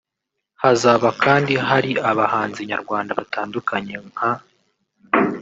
Hazaba kandi hari abahanzi nyarwanda batandukanye nka